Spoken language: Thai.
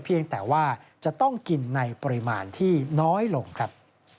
เพียงแต่ว่าจะต้องกินในปริมาณที่น้อยลงครับ